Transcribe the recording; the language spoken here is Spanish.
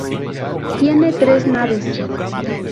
Tiene tres naves.